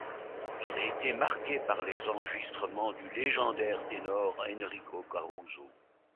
Il a été marqué par les enregistrements du légendaire ténor Enrico Caruso.